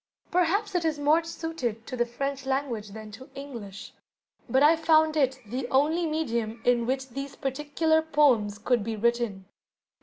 Perhaps it is more suited to the French language than to English. But I found it the only medium in which these particular poems could be written.